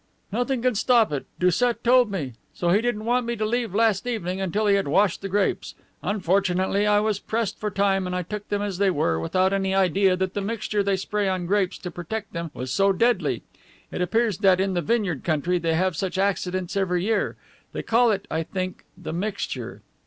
"Nothing can stop it, Doucet told me. So he didn't want me to leave last evening until he had washed the grapes. Unfortunately, I was pressed for time and I took them as they were, without any idea that the mixture they spray on the grapes to protect them was so deadly. It appears that in the vineyard country they have such accidents every year. They call it, I think, the... the mixture..."